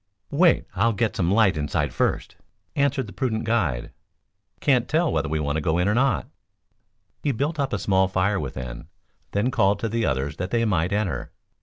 "Wait, I'll get some light inside first," answered the prudent guide. "Can't tell whether we shall want to go in or not." He built up a small fire within, then called to the others that they might enter.